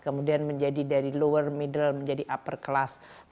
kemudian menjadi dari lower middle menjadi upper class